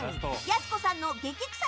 やす子さんの激臭